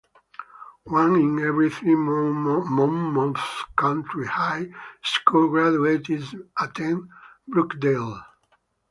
One in every three Monmouth County high school graduates attend Brookdale.